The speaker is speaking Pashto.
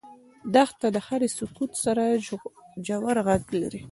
دښته له هرې سکوت سره ژور غږ لري.